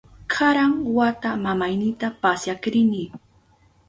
Karan wata mamaynita pasyak rini.